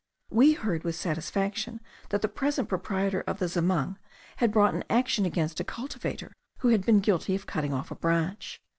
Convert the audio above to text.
We heard with satisfaction that the present proprietor of the zamang had brought an action against a cultivator who had been guilty of cutting off a branch.